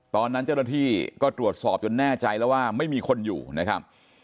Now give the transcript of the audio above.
ตอนนั้นเจ้าหน้าที่ก็ตรวจสอบจนแน่ใจแล้วว่าไม่มีคนอยู่นะครับ